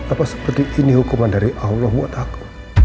apa seperti ini hukuman dari allah buat aku